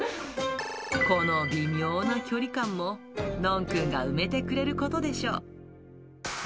この微妙な距離感も、ノンくんが埋めてくれることでしょう。